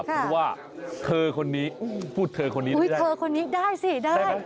เพราะว่าเธอคนนี้พูดเธอคนนี้นะเธอคนนี้ได้สิได้